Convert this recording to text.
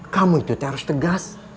kamu itu harus tegas